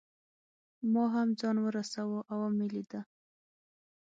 ما هم ځان ورساوه او مې لیده.